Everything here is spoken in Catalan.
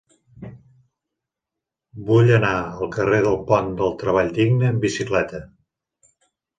Vull anar al carrer del Pont del Treball Digne amb bicicleta.